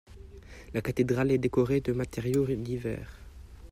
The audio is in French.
La cathédrale est décorée de matériaux divers.